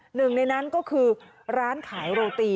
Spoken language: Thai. หนึ่งในนั้นก็คือร้านขายโรตี